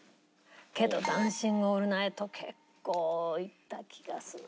けど『ダンシング・オールナイト』結構いった気がするんだよな。